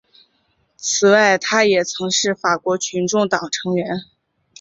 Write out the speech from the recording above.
此外他也曾是法国群众党成员。